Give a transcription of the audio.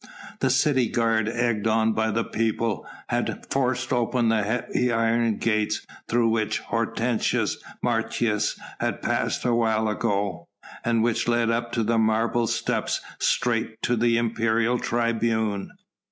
The city guard egged on by the people had forced open the heavy iron gates through which Hortensius Martius had passed a while ago, and which led up the marble steps straight to the imperial tribune.